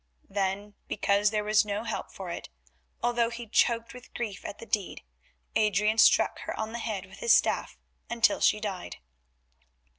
Then, because there was no help for it, although he choked with grief at the deed, Adrian struck her on the head with his staff until she died.